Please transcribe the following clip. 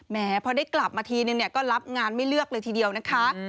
แม้พอได้กลับมาทีนึงเนี่ยก็รับงานไม่เลือกเลยทีเดียวนะคะ